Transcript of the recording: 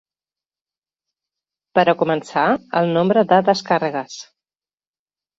Per a començar, el nombre de descàrregues.